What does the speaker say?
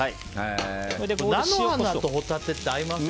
菜の花とホタテって合いますよね。